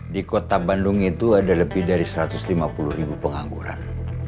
di kota bandung itu ada lebih dari satu ratus lima puluh ribu pengangguran